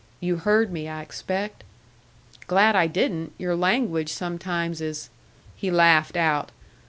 You heard me, I expect?" "Glad I didn't. Your language sometimes is " He laughed out.